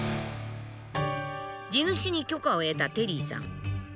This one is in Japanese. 地主に許可を得たテリーさん。